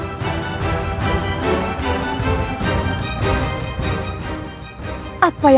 aku harus mencari pertambahan